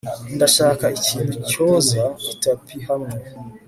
ndashaka ikintu cyoza itapi hamwe